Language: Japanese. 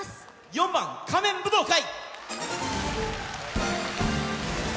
４番「仮面舞踏会」。